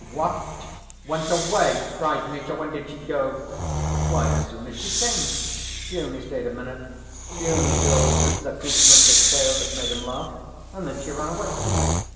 "What? Went away?" cried Mitya. "When did she go?" "Why, as soon as she came. She only stayed a minute. She only told Kuzma Kuzmitch a tale that made him laugh, and then she ran away."